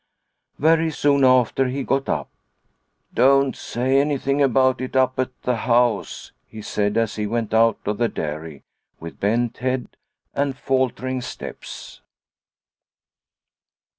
Very soon after he got up. " Don't say any thing about it up at the house," he said, as he went out of the dairy with bent head and falter ing steps.